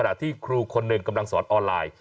ที่ครูคนหนึ่งกำลังสอนออนไลน์